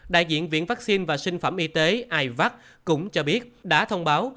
đại diện viện vaccine và sinh phẩm y tế ivac cũng cho biết đã thông báo